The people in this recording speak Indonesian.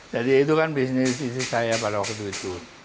jadi itu kan bisnis istri saya pada waktu itu